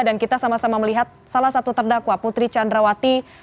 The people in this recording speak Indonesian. dan kita sama sama melihat salah satu terdakwa putri candrawati